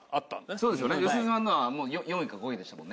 そうですよね良純さんのは４位か５位でしたもんね。